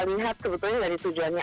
lihat sebetulnya dari tujuannya